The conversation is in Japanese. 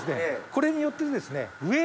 これによってですね。